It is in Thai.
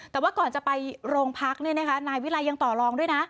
แต่ว่าก่อนจะไปโรงพักนายวิรัยยังต่อรองด้วยนะ